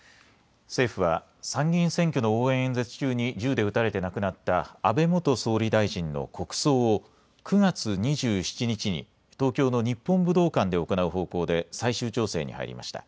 政府は参議院選挙の応援演説中に銃で撃たれて亡くなった安倍元総理大臣の国葬を９月２７日に東京の日本武道館で行う方向で最終調整に入りました。